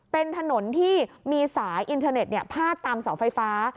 เป็นถนนที่มีสายอินเทอร์เน็ตพาดตามเสาไฟฟ้า